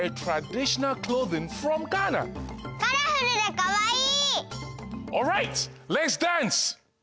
カラフルでかわいい！